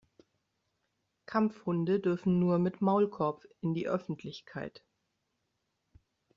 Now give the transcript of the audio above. Kampfhunde dürfen nur mit Maulkorb in die Öffentlichkeit.